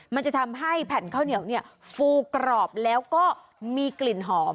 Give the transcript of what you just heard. มันจะทำให้แผ่นข้าวเหนียวฟูกรอบแล้วก็มีกลิ่นหอม